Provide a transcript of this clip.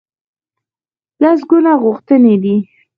لسګونه غوښتنې دي.